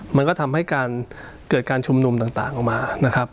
มันก็ทำให้การเกิดการชุมนุมต่างออกมานะครับ